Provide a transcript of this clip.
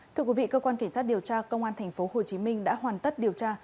thưa quý vị cơ quan kiểm soát điều tra công an tp hcm đã hoàn tất điều tra